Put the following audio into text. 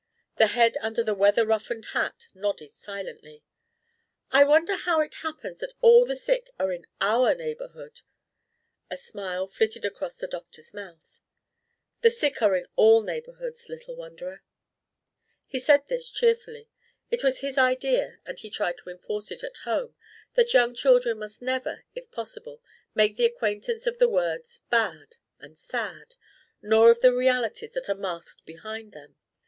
The head under the weather roughened hat nodded silently. "I wonder how it happens that all the sick are in our neighborhood." A smile flitted across the doctor's mouth. "The sick are in all neighborhoods, little wonderer." He said this cheerfully. It was his idea and he tried to enforce it at home that young children must never, if possible, make the acquaintance of the words bad and sad nor of the realities that are masked behind them.